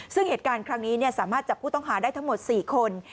ซึ่งเหตุการณ์ครั้งนี้สามารถจับผู้ต้องหาได้ทั้งหมด๔คน